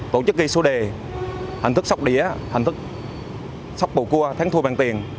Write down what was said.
tổ chức ghi số đề hành thức sóc đĩa hành thức sóc bồ cua tháng thu bằng tiền